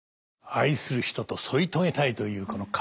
愛する人と添い遂げたいというこのかさねの気持ち